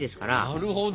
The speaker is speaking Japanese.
なるほど。